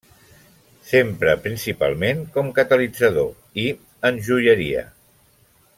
S'empra principalment com catalitzador i en joieria.